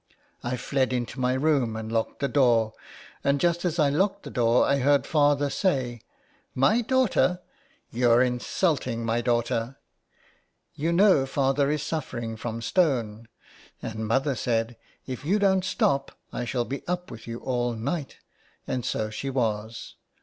I fled into my room and locked the door, and just as I locked the door I heard Father say, ' My daughter ! you're insulting my daughter !' You know father is suffering from stone, and mother said, ' If you don't stop I shall be up with you all night,' and so she was.